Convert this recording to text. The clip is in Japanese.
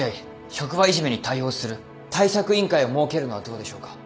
職場いじめに対応する対策委員会を設けるのはどうでしょうか。